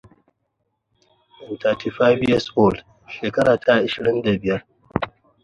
Vegetation is rarer in the salt marshes.